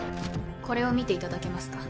これを見ていただけますか。